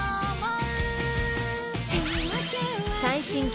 ［最新曲］